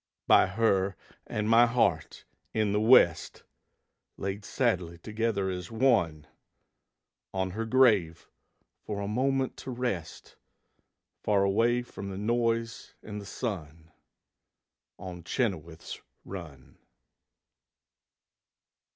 By her and my heart in the West, Laid sadly together as one; On her grave for a moment to rest, Far away from the noise and the sun, On Chenoweth's Run.